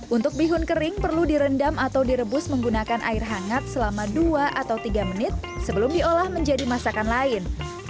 untuk bihun kering perlu direndam atau direbus menggunakan air hangat selama dua atau tiga menit sebelum diolah menjadi masakan lain